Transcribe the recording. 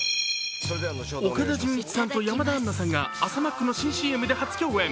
岡田准一さんと山田杏奈さんが朝マックの新ＣＭで初共演。